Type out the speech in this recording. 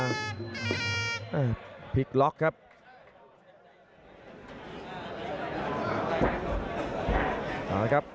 พลิกล็อคครับ